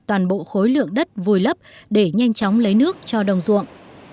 toàn bộ khối lượng đất vùi lấp để nhanh chóng lấy nước cho đồng ruộng